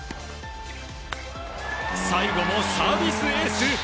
最後もサービスエース！